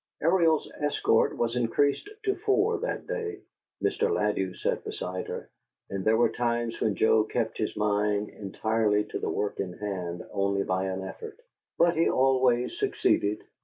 Ariel's escort was increased to four that day: Mr. Ladew sat beside her, and there were times when Joe kept his mind entirely to the work in hand only by an effort, but he always succeeded.